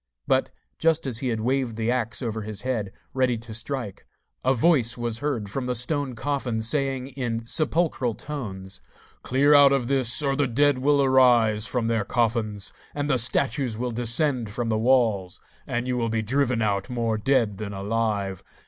But, just as he had waved the axe over his head ready to strike, a voice was heard from the stone coffin saying, in sepulchral tones: 'Clear out of this, or the dead will arise from their coffins, and the statues will descend from the walls, and you will be driven out more dead than alive.